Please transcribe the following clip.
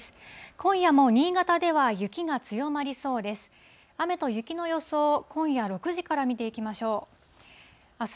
今夜も新潟では雪が強まりそうです。